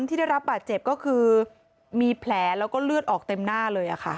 ที่ได้รับบาดเจ็บก็คือมีแผลแล้วก็เลือดออกเต็มหน้าเลยค่ะ